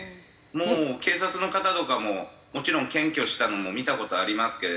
もう警察の方とかももちろん検挙したのも見た事ありますけれども。